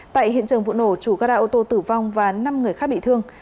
tại hiện trường vụ nổ chủ gara ô tô tử vong và năm người khác bị thương